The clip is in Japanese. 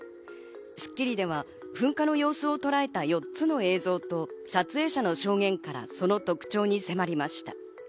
『スッキリ』では噴火の様子をとらえた４つの映像と、撮影者の証言からその特徴に迫りました。